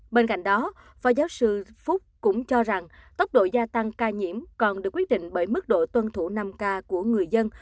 bên cạnh đó phó giáo sư phúc cũng cho rằng tốc độ gia tăng ca nhiễm còn được quyết định bởi mức độ tuân thủ năm k của người dân